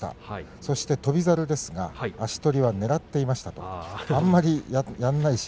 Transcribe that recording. そして翔猿ですは足取りはねらっていましたと言っていました。